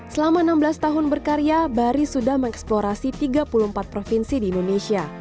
selama enam belas tahun berkarya bari sudah mengeksplorasi tiga puluh empat provinsi di indonesia